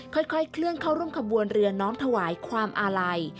ค่อยเคลื่อนเข้าร่วมขบวนเรือน้อมถวายความอาลัย